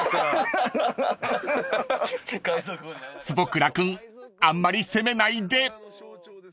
［坪倉君あんまり責めないで］